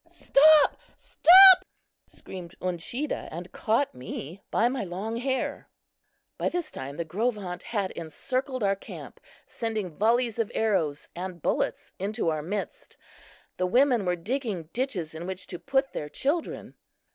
"Stop! stop!" screamed Uncheedah, and caught me by my long hair. By this time the Gros Ventres had encircled our camp, sending volleys of arrows and bullets into our midst. The women were digging ditches in which to put their children.